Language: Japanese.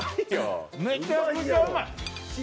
めちゃくちゃうまい。